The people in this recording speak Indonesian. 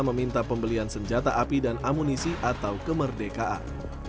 meminta pembelian senjata api dan amunisi atau kemerdekaan